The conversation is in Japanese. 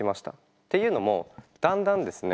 っていうのもだんだんですね